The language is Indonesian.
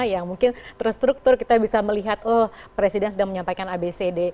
yang mungkin terstruktur kita bisa melihat oh presiden sedang menyampaikan abcd